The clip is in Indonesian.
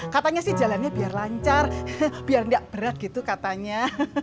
katanya sih jalannya biar lancar biar nggak berat gitu katanya